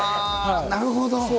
なるほど。